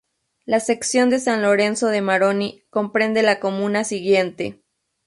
La sección de San Lorenzo de Maroni comprende la comuna siguiente